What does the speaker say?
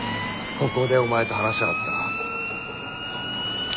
ここでお前と話したかった。